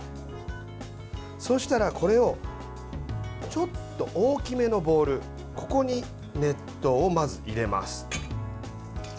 そうしたら、これをちょっと大きめのボウルここに熱湯をまず入れます。